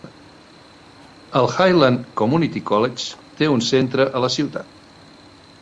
El Highland Community College té un centre a la ciutat.